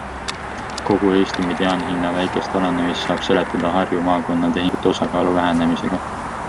Kogu Eesti mediaanhinna väikest alanemist saab seletada Harju maakonna tehingute osakaalu vähenemisega.